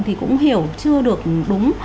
thì cũng hiểu chưa được đúng